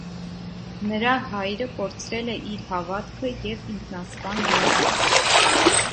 Նրա հայրը կորցրել է իր հավատքը և ինքնասպան եղել։